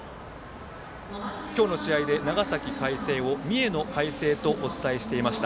今日の試合で長崎の海星を三重の海星とお伝えしていました。